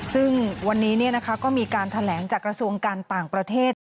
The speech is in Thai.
ซึ่งวันนี้ก็มีการแถลงจากกระทรวงการต่างประเทศ